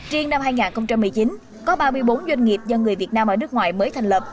riêng năm hai nghìn một mươi chín có ba mươi bốn doanh nghiệp do người việt nam ở nước ngoài mới thành lập